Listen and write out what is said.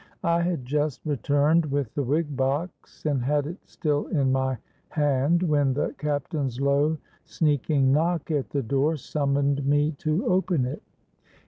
I had just returned with the wig box, and had it still in my hand, when the Captain's low sneaking knock at the door summoned me to open it.